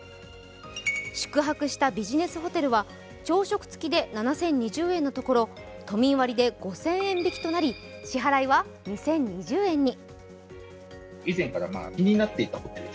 宿泊したビジネスホテルは朝食付きで７０２０円のところ都民割で５０００円引きとなり支払いは２０２０円に。